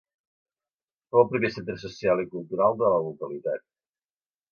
Fou el primer centre social i cultural de la localitat.